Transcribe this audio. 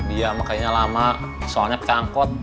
iya makanya lama soalnya pengangkot